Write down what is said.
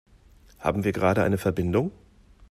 Haben wir gerade eine Verbindung?